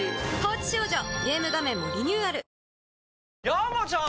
山ちゃん！